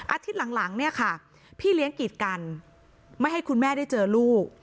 อาทิตย์หลังเนี่ยค่ะพี่เลี้ยงกีดกันไม่ให้คุณแม่ได้เจอลูก